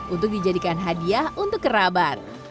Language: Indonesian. untuk dijadikan hadiah untuk kerabat